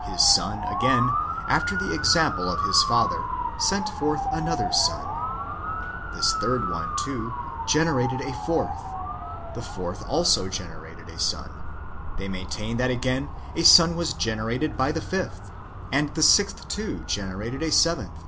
His son, again, after the example of his father, sent forth another son. This third one, too, generated a fourth ; the fourth also generated a son : they maintain that again a son was generated by the fifth ; and the sixth, too, generated a seventh.